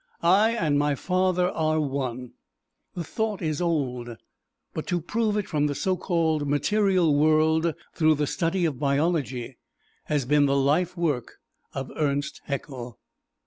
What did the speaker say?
"I and my Father are one" the thought is old, but to prove it from the so called material world through the study of biology has been the life work of Ernst Haeckel.